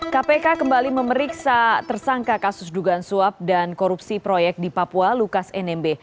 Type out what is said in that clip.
kpk kembali memeriksa tersangka kasus dugaan suap dan korupsi proyek di papua lukas nmb